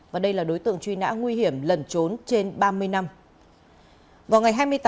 và đây là đối tượng truy nã nguy hiểm lần trốn trên ba mươi năm